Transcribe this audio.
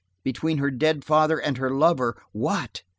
Between her dead father and her lover, what?